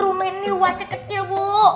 rumennya wajah kecil bu